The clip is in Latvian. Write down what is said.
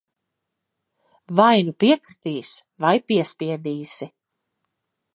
Vai nu piekritīs, vai piespiedīsi.